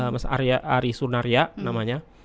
mas ari sunaria namanya